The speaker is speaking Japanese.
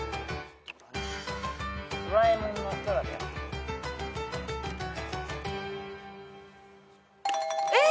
ドラえもんの「ドラ」えっ！？